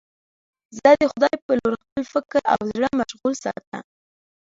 زه د خدای په لور خپل فکر او زړه مشغول ساته.